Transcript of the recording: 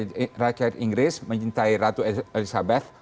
jadi rakyat inggris mencintai ratu elizabeth